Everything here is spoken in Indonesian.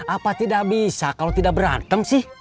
apa tidak bisa kalau tidak berantem sih